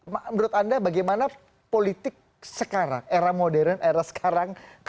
menurut anda bagaimana politik sekarang era modern era sekarang